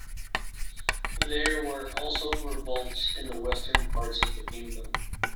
There were also revolts in the western parts of the Kingdom.